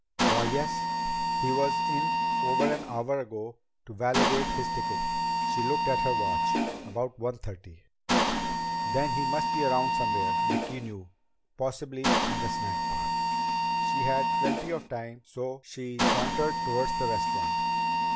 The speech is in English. "Why, yes. He was in over an hour ago to validate his ticket." She looked at her watch. "About one thirty." Then he must be somewhere around, Vicki knew. Possibly in the snack bar. She had plenty of time, so she sauntered toward the restaurant.